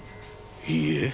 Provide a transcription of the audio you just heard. いいえ。